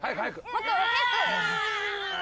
もっとおっきく！